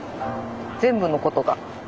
全部のことが。